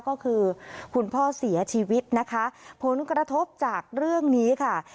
ก็คือคุณพ่อเสียชีวิตนะคะผลกระทบจากเรื่องนี้ค่ะ